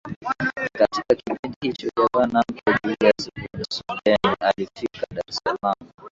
Katika kipindi hicho gavana mpya Julius von Soden alifika Dar es Salaam